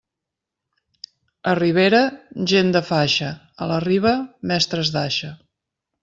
A ribera, gent de faixa; a la riba, mestres d'aixa.